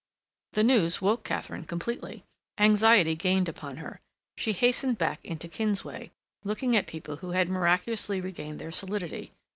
The news woke Katharine completely. Anxiety gained upon her. She hastened back into Kingsway, looking at people who had miraculously regained their solidity.